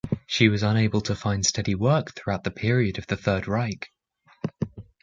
She was unable to find steady work throughout the period of the Third Reich.